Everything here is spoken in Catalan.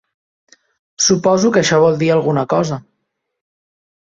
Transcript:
Suposo que això vol dir alguna cosa.